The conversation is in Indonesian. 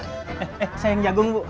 eh eh sayang jagung bu